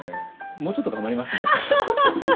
もうちょっと頑張りますね。